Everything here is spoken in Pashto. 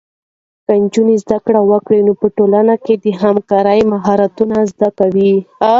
که نجونې زده کړه وکړي، نو په ټولنه کې د همکارۍ مهارتونه زده کوي.